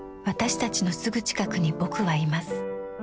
私たちのすぐ近くに「ぼく」はいます。